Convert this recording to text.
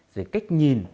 rồi cách nhìn